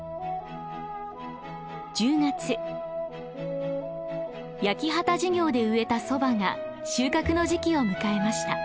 １０月焼き畑授業で植えたそばが収穫の時期を迎えました。